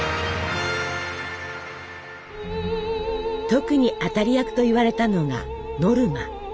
特に当たり役といわれたのが「ノルマ」。